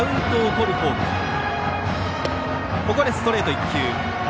ここでストレートを１球。